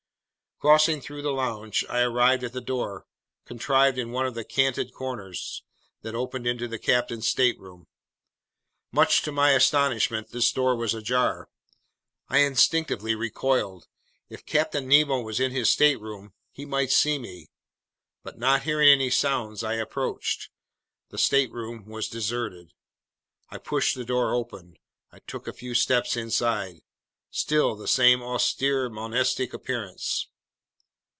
Crossing through the lounge, I arrived at the door, contrived in one of the canted corners, that opened into the captain's stateroom. Much to my astonishment, this door was ajar. I instinctively recoiled. If Captain Nemo was in his stateroom, he might see me. But, not hearing any sounds, I approached. The stateroom was deserted. I pushed the door open. I took a few steps inside. Still the same austere, monastic appearance.